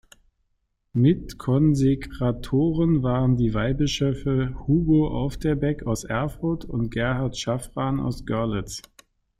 Mitkonsekratoren waren die Weihbischöfe Hugo Aufderbeck aus Erfurt und Gerhard Schaffran aus Görlitz.